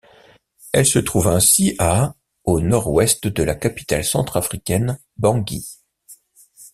Elle se trouve ainsi à au nord-ouest de la capitale centrafricaine Bangui.